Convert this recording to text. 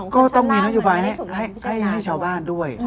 ก็ต้องมีนโยบายให้ชาวบ้านด้วย